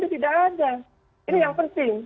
itu tidak ada ini yang penting